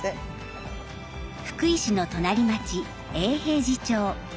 福井市の隣町永平寺町。